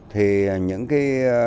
thì những cái